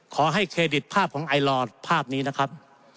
เครดิตภาพของไอลอร์ภาพนี้นะครับ